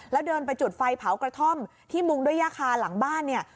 แล้วเดินไปจุดไฟเผากระท่อมที่มุงด้วยย่าคาหลังบ้านเนี่ย